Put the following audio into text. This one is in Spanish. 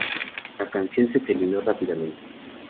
La canción se terminó rápidamente.